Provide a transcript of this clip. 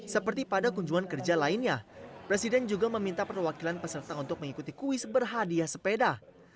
seperti pada kunjungan kerja lainnya presiden juga meminta perwakilan peserta untuk mengikuti kuis berhadiah sepeda